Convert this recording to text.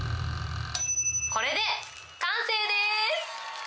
これで完成です。